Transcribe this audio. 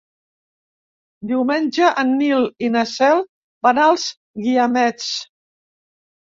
Diumenge en Nil i na Cel van als Guiamets.